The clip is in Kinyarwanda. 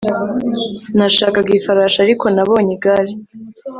nashakaga ifarashi, ariko nabonye igare